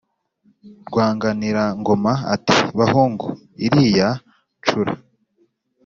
rwanganirangoma, ati "bahungu iriya ncura,